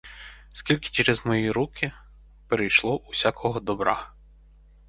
Скільки через мої руки перейшло усякого добра?